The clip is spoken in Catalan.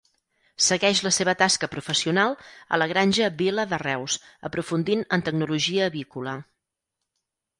Segueix la seva tasca professional a la Granja Vila de Reus, aprofundint en tecnologia avícola.